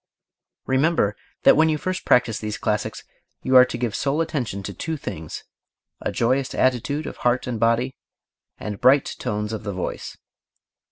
REMEMBER that when you first practise these classics you are to give sole attention to two things: a joyous attitude of heart and body, and bright tones of voice.